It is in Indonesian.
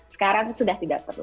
sekarang sudah tidak perlu